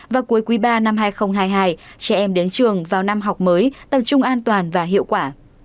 và cuối quý ba năm hai nghìn hai mươi hai trẻ em đến trường vào năm học mới tập trung an toàn và hiệu quả